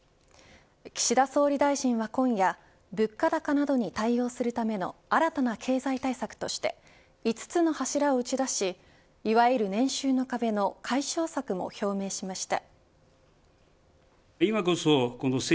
岸田総理大臣は今夜物価高などに対応するための新たな経済政策として５つの柱を打ち出しいわゆる年収の壁の解消策も表明しました。